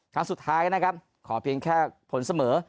ครั้งสุดท้ายนะครับขอเพียงแค่ผลเสมอ